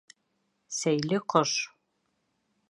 «Сәйле» ҡош.